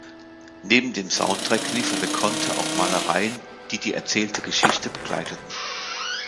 Neben dem Soundtrack lieferte Conte auch Malereien, die die erzählte Geschichte begleiteten.